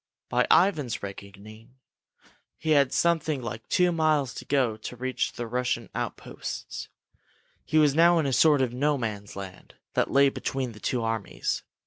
By Ivan's reckoning, he had something like two miles to go to reach the Russian outposts. He was now in a sort of No Man's Land that lay between the two armies.